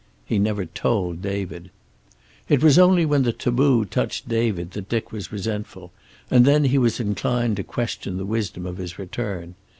He never told David. It was only when the taboo touched David that Dick was resentful, and then he was inclined to question the wisdom of his return.